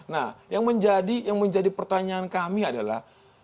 nah yang menjadi pertanyaan kami adalah